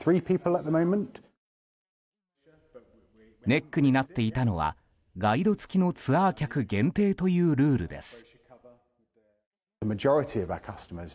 ネックになっていたのはガイド付きのツアー客限定というルールです。